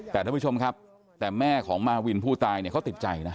แต่ท่านผู้ชมครับแต่แม่ของมาวินผู้ตายเนี่ยเขาติดใจนะ